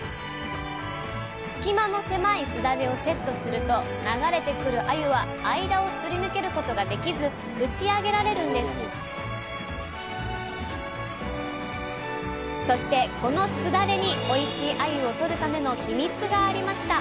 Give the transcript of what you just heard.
隙間の狭いすだれをセットすると流れてくるあゆは間をすり抜けることができず打ち上げられるんですそしてこのすだれにおいしいあゆをとるためのヒミツがありました！